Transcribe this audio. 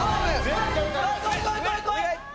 こい！こいこいこいこい！